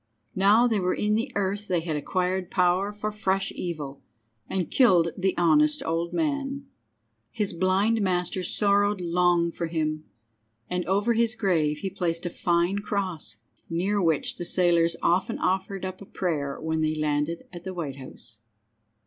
Now they were in the earth they had acquired power for fresh evil, and killed the honest old man! His blind master sorrowed long for him, and over his grave he placed a fine cross, near which the sailors often offered up a prayer when they landed at the White House.